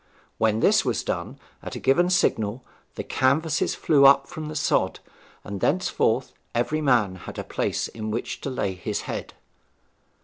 When this was done, at a given signal the canvases flew up from the sod; and thenceforth every man had a place in which to lay his head.